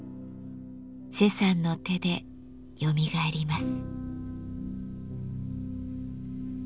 崔さんの手でよみがえります。